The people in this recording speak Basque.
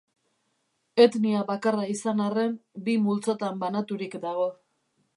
Etnia bakarra izan arren, bi multzotan banaturik dago.